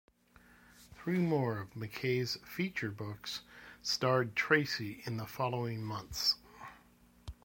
Three more of McKay's Feature Books starred Tracy in the following months.